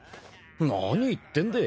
何言ってんでぇ。